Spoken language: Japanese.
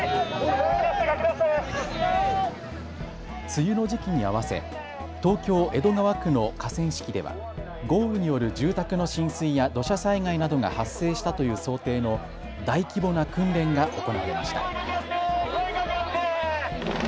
梅雨の時期に合わせ、東京江戸川区の河川敷では豪雨による住宅の浸水や土砂災害などが発生したという想定の大規模な訓練が行われました。